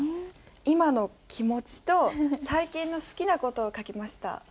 今の気持ちと最近の好きな事を書きました。